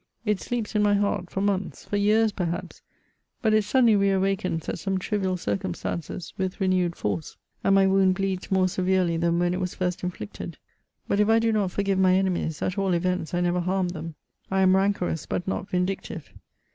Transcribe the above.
It sleeps in my heart for months, for years, perhaps, but it suddenly re awakens at some trivial circumstances with renewed force, and my wound bleeds more severely than when it was first inflicted. But if I do not forgive my enemies, at all events, I never harm them. I am rancorous, but not vin dictive.